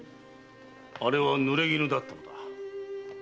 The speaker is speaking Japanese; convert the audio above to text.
あれは濡れ衣だったのだ。